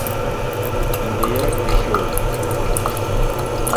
Ниндәйерәк кеше ул?